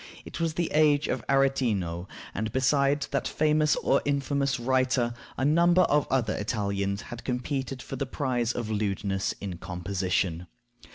It was the age of Aretino; and besides that famous or infamous writer, a number of other Italians had competed for the prize of lewdness in composition.